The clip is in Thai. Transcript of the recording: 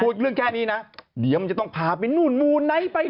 เรื่องแค่นี้นะเดี๋ยวมันจะต้องพาไปนู่นมูไนท์ไป